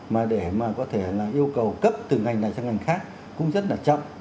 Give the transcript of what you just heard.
mà để mà có thể là yêu cầu cấp từ ngành này sang ngành khác cũng rất là chậm